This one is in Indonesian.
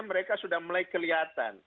mereka sudah mulai kelihatan